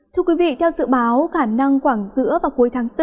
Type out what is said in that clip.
thưa quý vị theo dự báo khả năng khoảng giữa và cuối tháng bốn